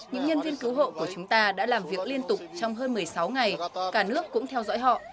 những nhân viên cứu hộ của chúng ta đã làm việc liên tục trong hơn một mươi sáu ngày cả nước cũng theo dõi họ